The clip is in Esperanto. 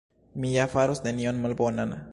Mi ja faros nenion malbonan.